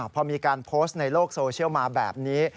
พอมีการโพสต์ในโลกโซเชียลมาแบบนี้